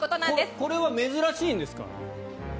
これは珍しいんですか？